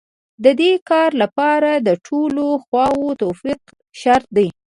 د دې کار لپاره د ټولو خواوو توافق شرط دی.